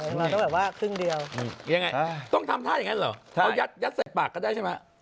ต้องแบบว่าครึ่งเดียวต้องทำท่าอย่างนั้นเหรอเอายัดเสร็จปากก็ได้ใช่มั้ย